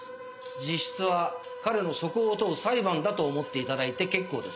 実質は彼の素行を問う裁判だと思って頂いて結構です。